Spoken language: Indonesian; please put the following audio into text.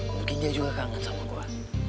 mungkin dia juga kangen sama kuat